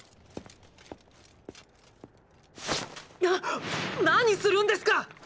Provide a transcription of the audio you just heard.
っ⁉何するんですか！！